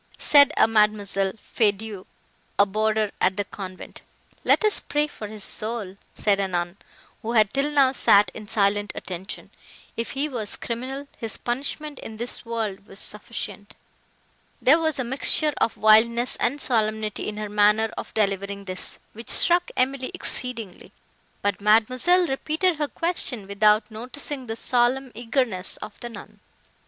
said a Mademoiselle Feydeau, a boarder at the convent. "Let us pray for his soul!" said a nun, who had till now sat in silent attention. "If he was criminal, his punishment in this world was sufficient." There was a mixture of wildness and solemnity in her manner of delivering this, which struck Emily exceedingly; but Mademoiselle repeated her question, without noticing the solemn eagerness of the nun.